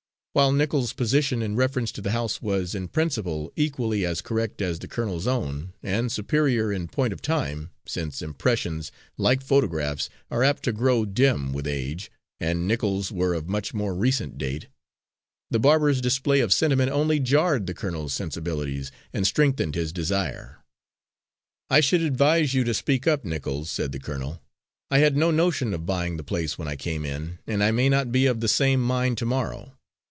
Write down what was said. While Nichols's position in reference to the house was, in principle, equally as correct as the colonel's own, and superior in point of time since impressions, like photographs, are apt to grow dim with age, and Nichols's were of much more recent date the barber's display of sentiment only jarred the colonel's sensibilities and strengthened his desire. "I should advise you to speak up, Nichols," said the colonel. "I had no notion of buying the place when I came in, and I may not be of the same mind to morrow.